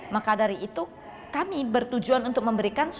maka dari itu kami bertujuan untuk memperbaiki pendidikan